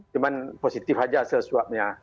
cuma positif saja hasil swabnya